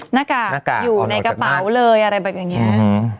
หน้ากากอยู่ในกระเป๋าเลยอะไรแบบอย่างนี้